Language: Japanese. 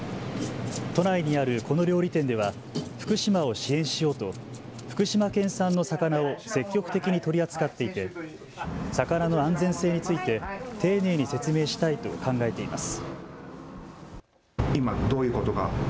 都内にあるこの料理店では福島を支援しようと福島県産の魚を積極的に取り扱っていて魚の安全性について丁寧に説明したいと考えています。